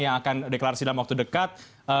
yang akan deklarasi dalam waktu dekat